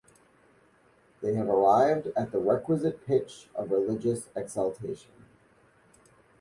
They have arrived at the requisite pitch of religious exaltation.